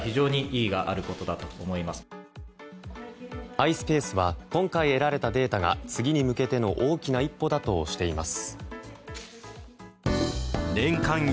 ｉｓｐａｃｅは今回、得られたデータが次に向けての大きな一歩だとしています。